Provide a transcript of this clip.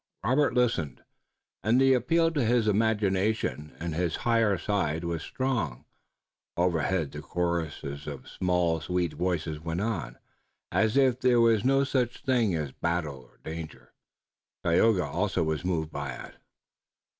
Robert listened and the appeal to his imagination and higher side was strong. Overhead the chorus of small sweet voices went on, as if there were no such things as battle or danger. Tayoga also was moved by it.